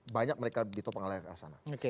banyak mereka di topeng alaik asana